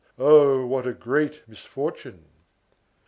Oh! what a good misfortune!"